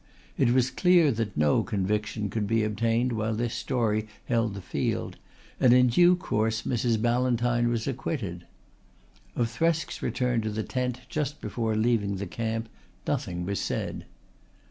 It was clear that no conviction could be obtained while this story held the field and in due course Mrs. Ballantyne was acquitted. Of Thresk's return to the tent just before leaving the camp nothing was said.